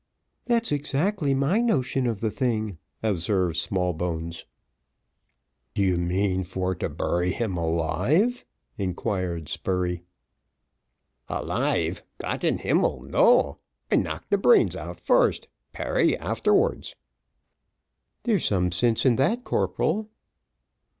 "That's exactly my notion of the thing," observed Smallbones. "Do you mean for to bury him alive?" inquired Spurey. "Alive! Gott in himmel no. I knock de brains out first, perry afterwards." "There's some sense in that, corporal."